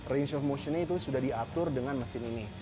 range of motionnya itu sudah diatur dengan mesin ini